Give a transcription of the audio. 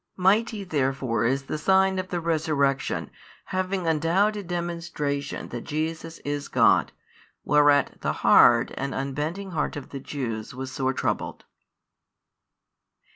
Mighty therefore is the sign of the Resurrection, having undoubted demonstration that Jesus is God, whereat the hard and unbending heart of the Jews was sore troubled.